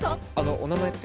お名前って？